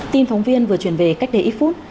tin phóng viên vừa truyền về cách đây ít phút